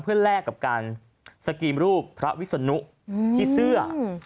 เพื่อแลกกับการสกรีมรูปพระวิศนุที่เสื้อ